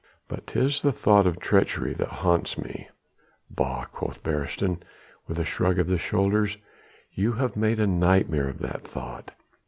But 'tis the thought of treachery that haunts me." "Bah!" quoth Beresteyn with a shrug of the shoulders, "you have made a nightmare of that thought.